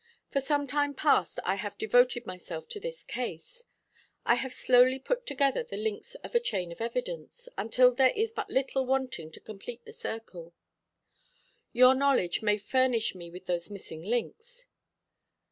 For some time past I have devoted myself to this case. I have slowly put together the links of a chain of evidence, until there is but little wanting to complete the circle. Your knowledge may furnish me with those missing links.